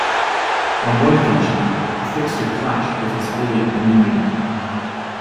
On one occasion, a fixture clashed with his first Holy Communion.